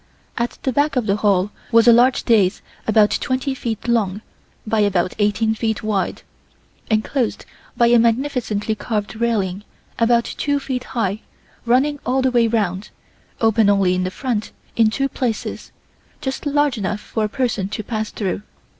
At the back of the Hall was a large dais about twenty feet long by about eighteen feet wide, enclosed by a magnificently carved railing about two feet high running all the way round, open only in the front in two places just large enough for a person to pass through.